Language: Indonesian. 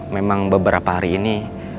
memang beberapa hari ini